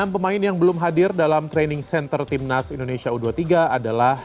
enam pemain yang belum hadir dalam training center timnas indonesia u dua puluh tiga adalah